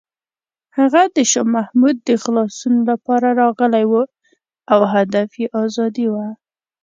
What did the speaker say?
هغه د شاه محمود د خلاصون لپاره راغلی و او هدف یې ازادي وه.